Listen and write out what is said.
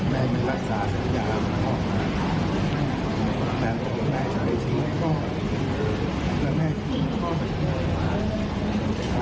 เราไม่รู้ความคิดพ่อมีอย่างในใจค่ะ